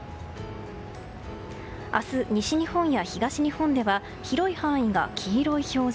明日、西日本や東日本では広い範囲が黄色い表示。